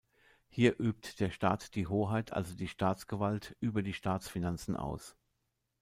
Hier übt der Staat die Hoheit, also die Staatsgewalt, über die Staatsfinanzen aus.